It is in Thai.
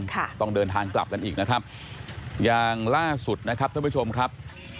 ค่ะต้องเดินทางกลับกันอีกนะครับอย่างล่าสุดนะครับท่านผู้ชมครับ